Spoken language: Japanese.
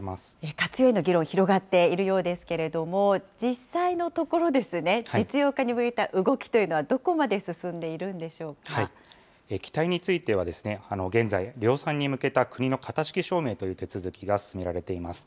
活用への議論、広がっているようですけれども、実際のところですね、実用化に向けた動きというのは、どこまで進んでいるんで機体については現在、量産に向けた国の型式証明という手続きが進められています。